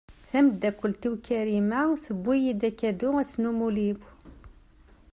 Tamdakkelt-iw Karima tewwi-iyi-d akadu ass n umuli-w.